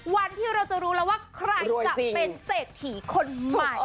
วันที่เราจะรู้แล้วว่าใครจะเป็นเศรษฐีคนใหม่